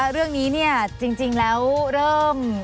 เรื่องนี้จริงแล้วเริ่ม